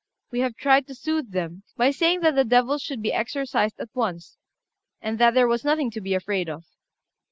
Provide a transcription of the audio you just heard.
We have tried to soothe them, by saying that the devils should be exorcised at once, and that there was nothing to be afraid of.